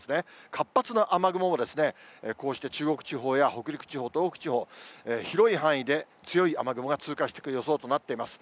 活発な雨雲も、こうして中国地方や北陸地方、東北地方、広い範囲で強い雨雲が通過してくる予想となっています。